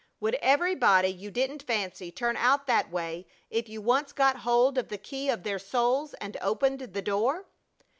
Would everybody you didn't fancy turn out that way if you once got hold of the key of their souls and opened the door?